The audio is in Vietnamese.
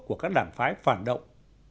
của các đảng phái phản động